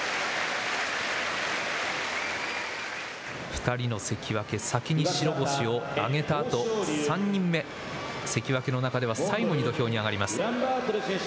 ２人の関脇、先に白星を挙げたあと３人目関脇の中では最後の土俵に上がります。